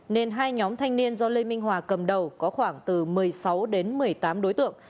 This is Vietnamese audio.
nên hai nhóm thanh niên do lê minh hòa cầm đầu có khoảng từ một mươi sáu đến một mươi tám đối tượng